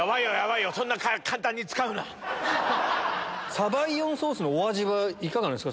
サバイヨンソースのお味はいかがなんですか？